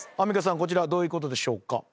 こちらはどういうことでしょうか？